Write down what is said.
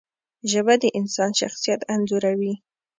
ژبه د انسان شخصیت انځوروي